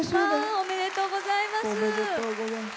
おめでとうございます。